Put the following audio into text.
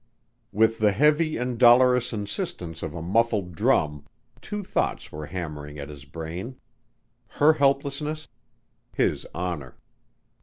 With the heavy and dolorous insistence of a muffled drum two thoughts were hammering at his brain: her helplessness: his honor.